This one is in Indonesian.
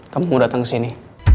kamu dateng sini